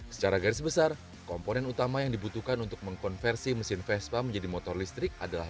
secara garis besar komponen utama yang dibutuhkan untuk mengkonversi mesin vespa menjadi motor listrik adalah